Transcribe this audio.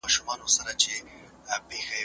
د ارغنداب سیند له امله د موسمي سبزیو کښت ډېریږي.